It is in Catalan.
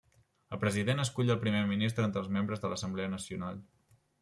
El President escull el Primer Ministre entre els membres de l'Assemblea Nacional.